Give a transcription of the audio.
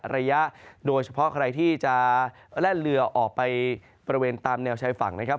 ระยะโดยเฉพาะใครที่จะแล่นเรือออกไปบริเวณตามแนวชายฝั่งนะครับ